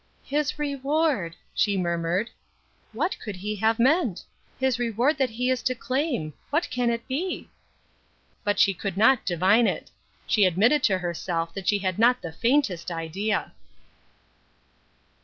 "His reward!" she murmured. "What could he have meant? His reward that he is to claim. What can it be?" But she could not divine it. She admitted to herself that she had not the faintest idea.